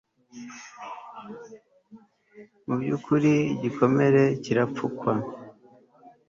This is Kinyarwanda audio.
mu by'ukuri igikomere kirapfukwa